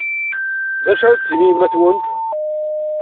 D acu ara d-tini yemma-twent?